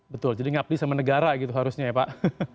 betul jadi mengabdi sama negara gitu seharusnya ya pak